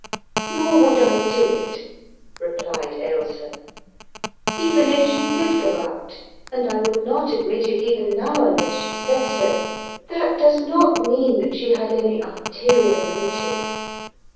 "Nor would I do it," replied Ailsa. "Even if she did go out, and I would not admit it even now unless she said so, that does not mean that she had any ul terior motive.